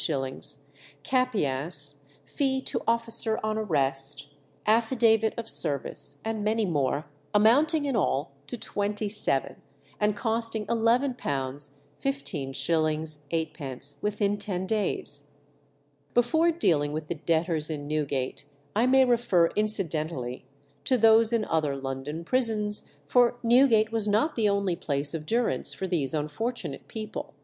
_), capias, fee to officer on arrest, affidavit of service, and many more, amounting in all to twenty seven, and costing £11 15_s._ 8_d._, within ten days. Before dealing with the debtors in Newgate, I may refer incidentally to those in other London prisons, for Newgate was not the only place of durance for these unfortunate people.